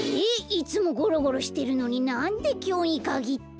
いつもゴロゴロしてるのになんできょうにかぎって。